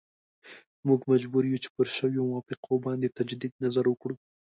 موږ مجبور یو چې پر شویو موافقو باندې تجدید نظر وکړو.